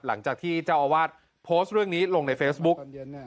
หลังจากที่เจ้าอาวาสโพสต์เรื่องนี้ลงในเฟซบุ๊ก